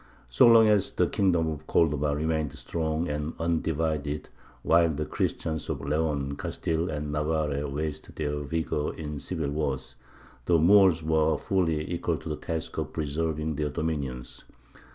So long as the kingdom of Cordova remained strong and undivided, while the Christians of Leon, Castile, and Navarre wasted their vigour in civil wars, the Moors were fully equal to the task of preserving their dominions.